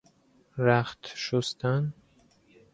رخت شستن